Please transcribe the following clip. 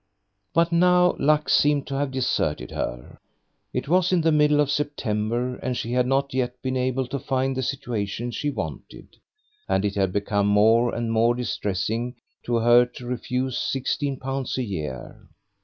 But now luck seemed to have deserted her. It was the middle of September and she had not yet been able to find the situation she wanted; and it had become more and more distressing to her to refuse sixteen pound a year.